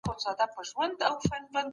ښوونځی د ماشومانو لپاره د ابتکار فضا ده.